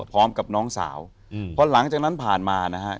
พร้อมกับน้องสาวอืมพอหลังจากนั้นผ่านมานะฮะ